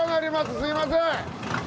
すみません。